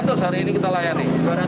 untuk memeriksakan dirinya